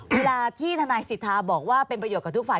เวลาที่ทนายสิทธาบอกว่าเป็นประโยชน์กับทุกฝ่าย